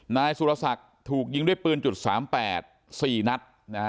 นายสุรศักดิ์ถูกยิงด้วยปืน๓๘๔นัด